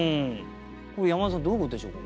これ山田さんどういうことでしょうか